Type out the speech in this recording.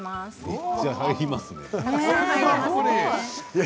めっちゃ入りますね。